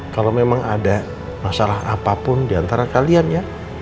kalau memang ada masalah apapun diantara kalian ya